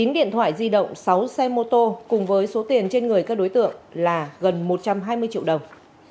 một mươi điện thoại di động sáu xe mô tô cùng với số tiền trên người các đối tượng là gần một trăm hai mươi triệu đồng